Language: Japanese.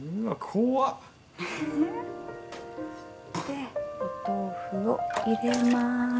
でお豆腐を入れます。